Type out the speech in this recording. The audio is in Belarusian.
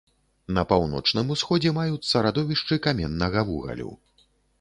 На паўночным усходзе маюцца радовішчы каменнага вугалю.